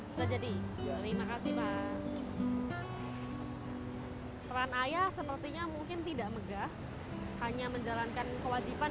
sudah jadi terima kasih pak peran ayah sepertinya mungkin tidak megah hanya menjalankan kewajiban